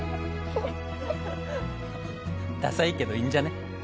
ダサいけどいいんじゃね？